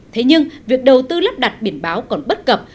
thế nhưng việc đầu tư lắp đặt biển báo còn bất cập